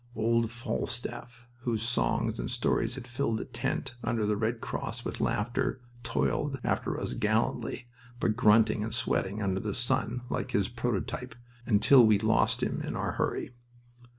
(Old "Falstaff," whose songs and stories had filled the tent under the Red Cross with laughter, toiled after us gallantly, but grunting and sweating under the sun like his prototype, until we lost him in our hurry.)